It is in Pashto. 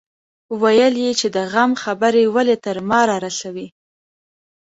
ويل يې چې د غم خبرې ولې تر ما رارسوي.